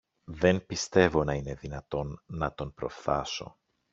Δεν πιστεύω να είναι δυνατόν να τον προφθάσω.